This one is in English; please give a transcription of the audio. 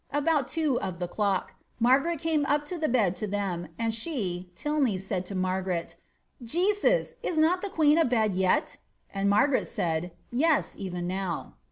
311 tbout two of the clock, Margaret came up to bed to them, and she (Tylney) said to Margaret, ^ Jesus! is not the queen a bed yet?' and Margaret said, ^ Yes, even now.'